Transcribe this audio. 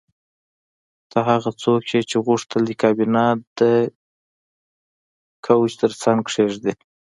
ته هغه څوک یې چې غوښتل دې کابینه د کوچ ترڅنګ کیږدې